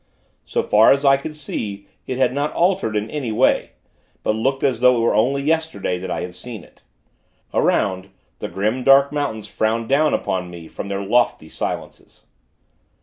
So far as I could see, it had not altered in any way; but looked as though it were only yesterday that I had seen it. Around, the grim, dark mountains frowned down upon me from their lofty silences.